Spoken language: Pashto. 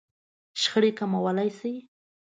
-شخړې کموالی شئ